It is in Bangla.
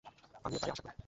আমিও তাই আশা করি।